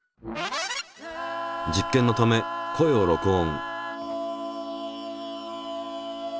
実験のため声を録音。